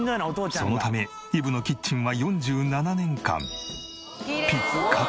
そのためいぶのキッチンは４７年間。